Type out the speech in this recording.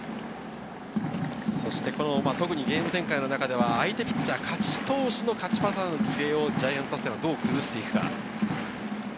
特にゲーム展開の中では相手ピッチャー、勝ち投手の勝ちパターン、リレーをジャイアンツはどう崩していくか。